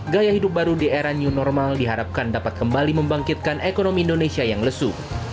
gaya hidup baru di era new normal diharapkan dapat kembali membangkitkan ekonomi indonesia yang lesu